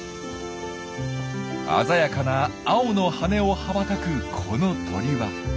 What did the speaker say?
鮮やかな青の羽を羽ばたくこの鳥は。